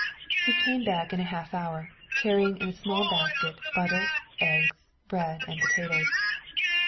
He came back in a half hour, carrying in a small basket butter, eggs, bread and potatoes.